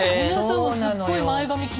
そうなのよ。